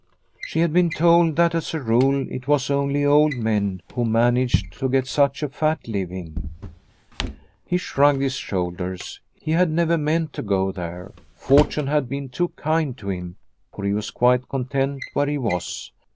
She had been told that as a rule it was only old men who managed to get such a fat living ! He shrugged his shoulders. He had never meant to go there. Fortune had been too kind to him, for he was quite content where he was.